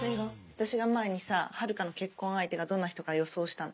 私が前にさ遥の結婚相手がどんな人か予想したの。